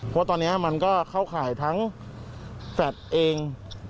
เพราะตอนนี้มันก็เข้าข่ายทั้งแฟลตเอง